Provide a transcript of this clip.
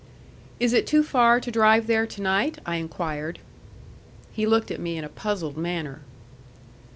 "Is it too far to drive there to night?" I inquired. He looked at me in a puzzled manner.